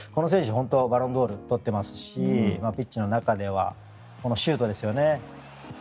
本当に、バロンドールを取っていますしピッチの中ではこのシュートですよね。